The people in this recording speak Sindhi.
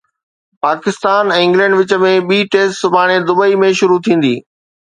پاڪستان ۽ انگلينڊ وچ ۾ ٻي ٽيسٽ سڀاڻي دبئي ۾ شروع ٿيندي